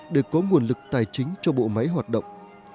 để có nguồn lực tài chính cho bộ máy hoạt động